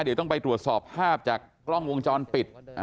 เดี๋ยวต้องไปตรวจสอบภาพจากกล้องวงจรปิด